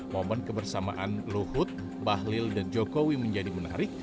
momen kebersamaan luhut bahlil dan jokowi menjadi menarik